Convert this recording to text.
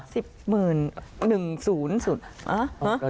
หมื่นหนึ่งศูนย์สุดฮะ